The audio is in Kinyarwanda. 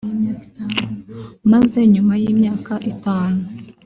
maze nyuma y’imyaka itanu